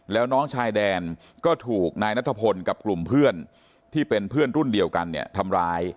แล้วน้องชายแดนก็ถูกนายนัทพลกับกลุ่มเพื่อนที่เป็นเพื่อนรุ่นเดียวกันเนี่ยทำร้าย